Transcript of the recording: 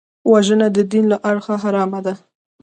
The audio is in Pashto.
وژنه د دین له اړخه حرامه ده